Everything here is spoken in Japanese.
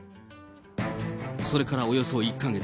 それからおよそ１か月。